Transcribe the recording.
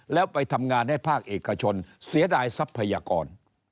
แล้วไปทำงานให้ภาคเอกชนเสียดายทรัพยากร